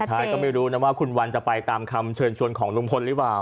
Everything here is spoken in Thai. ใช่ก็ไม่รู้นะว่าคุณวันจะไปตามคำเชิญชวนของลุงพลหรือเปล่า